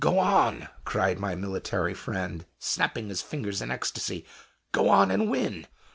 "Go on!" cried my military friend, snapping his fingers in ecstasy "Go on, and win!